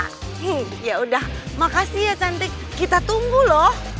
hmm yaudah makasih ya cantik kita tunggu loh